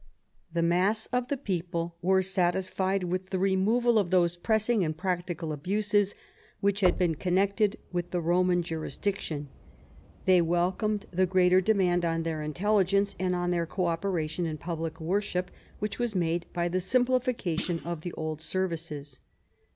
The mass of the people were satisfied with the removal of those pressing and practical abuses which had been connected with the Roman jurisdiction. They welcomed the greater demand on their intelli gence, and on their co operation in public worship, which was made by the simplification of the old services.